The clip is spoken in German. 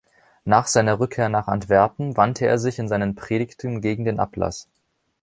Nach seiner Rückkehr nach Antwerpen wandte er sich in seinen Predigten gegen den Ablass.